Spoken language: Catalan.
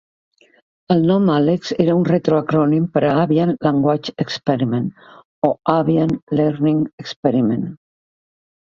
El nom "Alex" era un retroacrònim per a "avian language experiment" (experiment de llengua aviària) o "avian learning experiment" (experiment d'aprenentatge aviari).